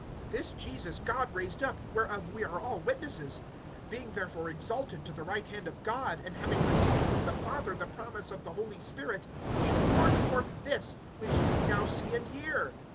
(32)This Jesus God raised up, whereof we all are witnesses. (33)Being therefore exalted to the right hand of God, and having received from the Father the promise of the Holy Spirit, he poured forth this, which ye now see and hear.